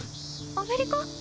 アメリカ？